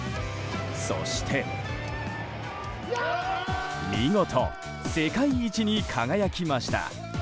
そして見事、世界一に輝きました。